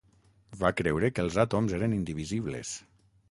Va creure que els àtoms eren indivisibles.